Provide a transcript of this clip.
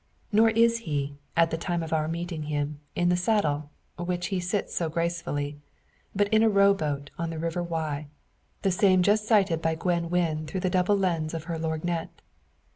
Nor is he, at the time of our meeting him, in the saddle, which he sits so gracefully; but in a row boat on the river Wye the same just sighted by Gwen Wynn through the double lens of her lorgnette.